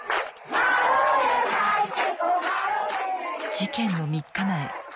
事件の３日前。